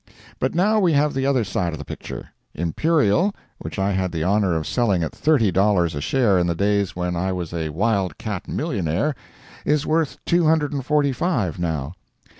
But now we have the other side of the picture. Imperial, which I had the honor of selling at thirty dollars a share in the days when I was a wild cat millionaire, is worth two hundred and forty five now.